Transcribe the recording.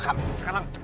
masih ada yang cukup